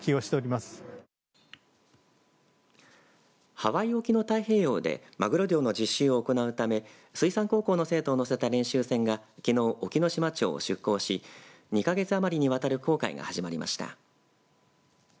ハワイ沖の太平洋でマグロ漁の実習を行うため水産高校の生徒を乗せた練習船がきのう隠岐の島町を出港し２か月余りにわたる航海が始まりました。